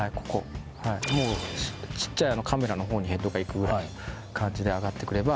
もうちっちゃいあのカメラの方にヘッドがいくぐらいの感じで上がってくれば。